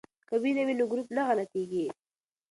که وینه وي نو ګروپ نه غلطیږي.